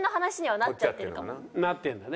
なってるんだね。